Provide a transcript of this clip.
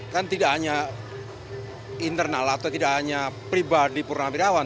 kan tidak hanya internal atau tidak hanya pribadi purnawirawan